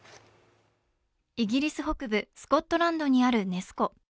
イギリス北部スコットランドにあるネス湖。